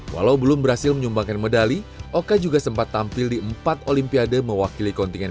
walau belum berhasil menyumbangkan medali oka juga sempat tampil di empat olimpiade mewakili kontingen